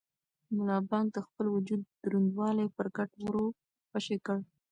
ملا بانګ د خپل وجود دروندوالی پر کټ ور خوشې کړ.